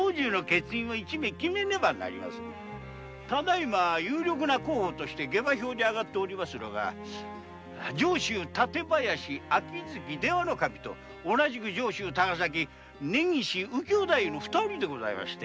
今有力な候補として下馬評にあがっておりますのは上州館林の秋月出羽守と同じく上州高崎の根岸右京太夫の二人でして。